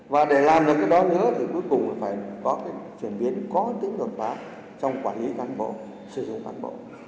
và để làm được cái đó nữa thì cuối cùng phải có cái chuyển biến có tính đột phá trong quản lý cán bộ sử dụng cán bộ